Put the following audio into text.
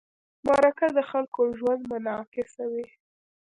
مرکه د خلکو ژوند منعکسوي.